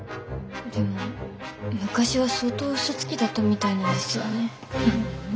でも昔は相当嘘つきだったみたいなんですよね。